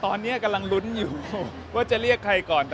ตอนนี้กำลังลุ้นอยู่ว่าจะเรียกใครก่อน